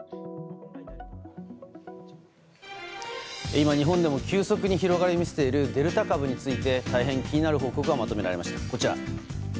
今、日本でも急速に広がりを見せているデルタ株について大変気になる報告がまとめられました。